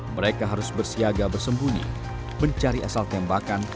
mereka harus bersiaga bersembunyi mencari asal tembakan